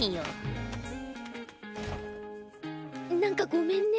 バタンなんかごめんね。